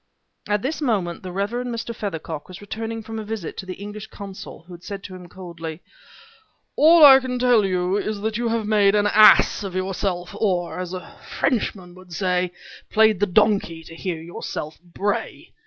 At this moment the Rev. Mr. Feathercock was returning from a visit to the English consul who had said to him coldly: "All that I can tell you is that you have made an ass of yourself or, as a Frenchman would say, played the donkey to hear yourself bray.